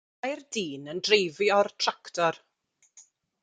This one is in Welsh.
Mae'r dyn yn dreifio'r tractor.